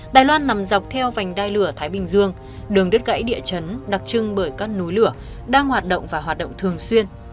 đài loan nằm dọc theo vành đai lửa thái bình dương đường đứt gãy địa chấn đặc trưng bởi các núi lửa đang hoạt động và hoạt động thường xuyên